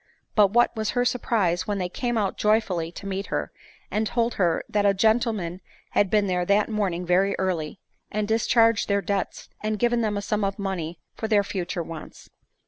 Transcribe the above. But what was her surprise when they came out joyfully to meet her, and told her that a gentleman had been there that morning very early, had discharged their debts, and given them a sum of money for their future wants